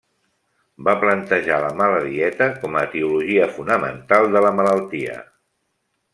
Va plantejar la mala dieta com a etiologia fonamental de la malaltia.